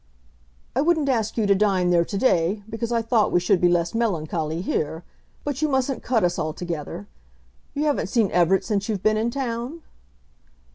"I wouldn't ask you to dine there to day, because I thought we should be less melancholy here; but you mustn't cut us altogether. You haven't seen Everett since you've been in town?"